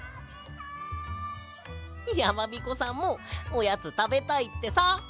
やまびこさんもおやつたべたいってさ。